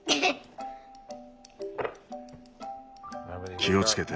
気をつけて。